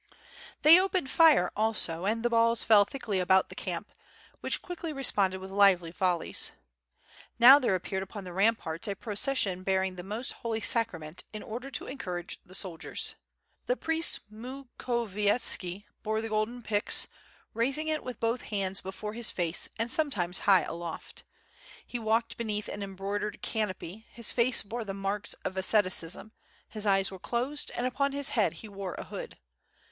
They opened fire also and the balls fell thickly about the camp, which quickly responded with lively yolle3's. Now there appeared upon the ramparts a procession bearing the most Holy Sacrament in order to encourage the soldiers. The priest Mukhovietski bore the golden Pix, raising it with both hands before his face and sometimes high aloft. He walked beneath an embroidered canopy, his face bore the marks of asceticism, his eyes were closed, and upon his head he wore a hood.